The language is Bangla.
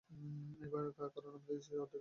কারন আমরা দিচ্ছি অর্ধেক দামে।